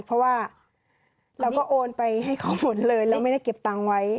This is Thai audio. เพราะว่าเราก็โอนไปให้เขาหมดเลยเราไม่ได้เก็บตังค์ไว้